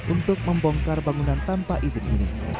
untuk membongkar bangunan tanpa izin ini